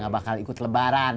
gak bakal ikut lebaran